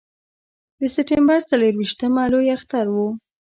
د سپټمبر څلرویشتمه لوی اختر و.